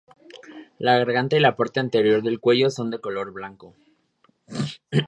La garganta y la parte anterior del cuello son de color blanco.